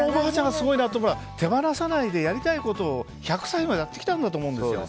すごいなと思うのは手放さないでやりたいことを１００歳までやってきたんだと思うんですよ。